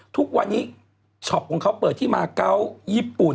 ทุกวันนี้ช็อปของเขาเปิดที่มาเกาะญี่ปุ่น